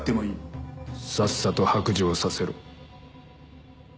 さっさと白状させろ。